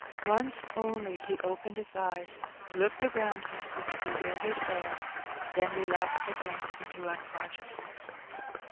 Once only he opened his eyes^ looked aroond him with a bewil dered air, then relapsed again into nnconscionsness.